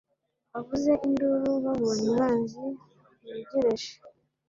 bavuze induru babonye umwanzi wegereje